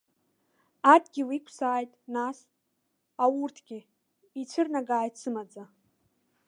Адгьыл иқәсааит, нас, аурҭгьы, ицәырнагааит сымаӡа.